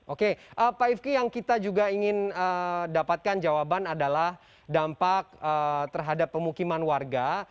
oke pak ifki yang kita juga ingin dapatkan jawaban adalah dampak terhadap pemukiman warga